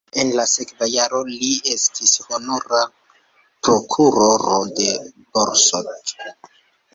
En la sekva jaro li estis honora prokuroro de Borsod.